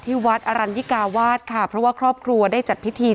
ที่วัดอรัญญิกาวาสค่ะเพราะว่าครอบครัวได้จัดพิธี